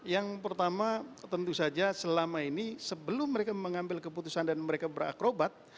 yang pertama tentu saja selama ini sebelum mereka mengambil keputusan dan mereka berakrobat